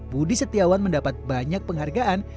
budi setiawan mendapat banyak penghargaan